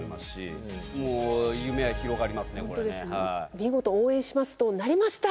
見事「応援します！」となりました。